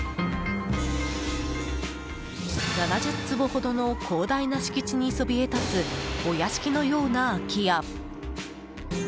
７０坪ほどの広大な敷地にそびえ立つお屋敷のような空き家。